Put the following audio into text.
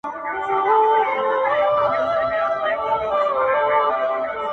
ستا زړه ستا زړه دی، دا دروغ دې دا خلاف خبره,